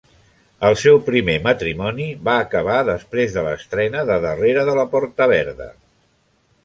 El seu primer matrimoni va acabar després de l'estrena de Darrere de la porta verda.